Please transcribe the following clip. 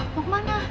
eh mau kemana